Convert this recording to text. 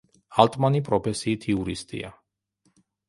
ალტმანი პროფესიით იურისტია.